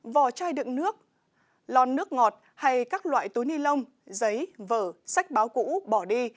vỏ chai đựng nước lon nước ngọt hay các loại túi ni lông giấy vở sách báo cũ bỏ đi